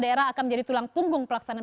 daerah akan menjadi tulang punggung pelaksanaan